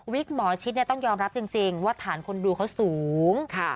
หมอชิดต้องยอมรับจริงว่าฐานคนดูเขาสูง